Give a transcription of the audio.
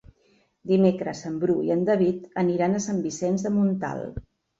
Dimecres en Bru i en David aniran a Sant Vicenç de Montalt.